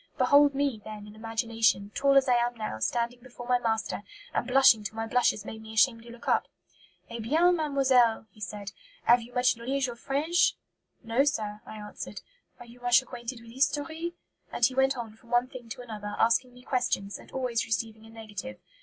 Behold me, then, in imagination, tall as I am now, standing before my master, and blushing till my blushes made me ashamed to look up. 'Eh bien, mademoiselle,' he said, 'have you much knowledge of French?' 'No, sir,' I answered. 'Are you much acquainted with history?' And he went on from one thing to another, asking me questions, and always receiving a negative.